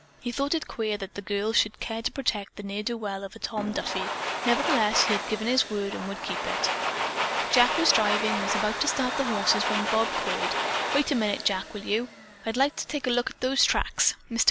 He thought it queer that the girl should care to protect that ne'er do well of a Tom Duffy; nevertheless he had given his word and would keep it. Jack was driving and was about to start the horses when Bob called: "Wait a minute, Jack, will you? I'd like to take a look at those tracks. Mr.